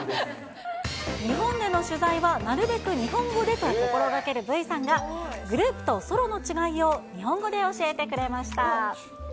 日本での取材はなるべく日本語でと心がけるＶさんが、グループとソロの違いを日本語で教えてくれました。